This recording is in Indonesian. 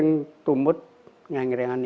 kalau dibasarkan itu tidak akan berhasil